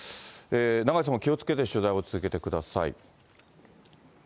永井さんも気をつけて取材を続けてください。